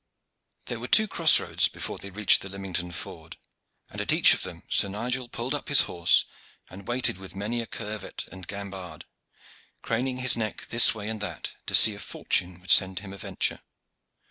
There were two cross roads before they reached the Lymington Ford, and at each of then Sir Nigel pulled up his horse, and waited with many a curvet and gambade, craning his neck this way and that to see if fortune would send him a venture.